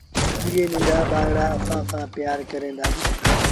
ائيٚݩ ننڍآݩ ٻآرآݩ سآݩ پيٚآر ڪري دو